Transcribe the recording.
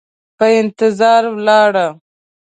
په انتظار ولاړه،